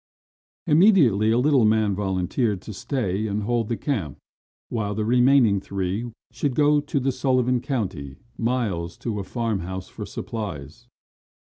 Immediately a little man volunteered to stay and hold the camp while the remaining three should go the Sullivan county miles to a farm house for supplies.